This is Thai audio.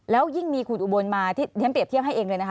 แล้วยิ่งมีคุณอุบลมาเน้นเปรียบเทียบให้เองเลย